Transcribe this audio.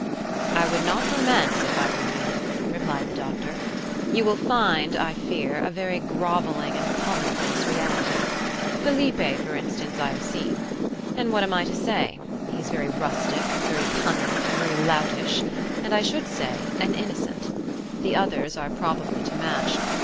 "I would not romance, if I were you," replied the doctor; "you will find, I fear, a very grovelling and commonplace reality. Felipe, for instance, I have seen. And what am I to say? He is very rustic, very cunning, very loutish, and, I should say, an innocent; the others are probably to match.